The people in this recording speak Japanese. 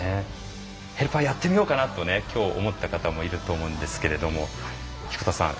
ヘルパーやってみようかなと今日思った方もいると思うんですけれども彦田さん